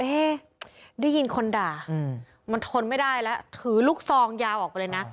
ได้ยินคนด่ามันทนไม่ได้แล้วถือลูกซองยาวออกไปเลยนะ